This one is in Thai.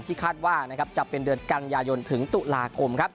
ที่คาดว่าจะเป็นเดือนกรรมยายนถึงตุลาคม